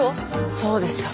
そうでした。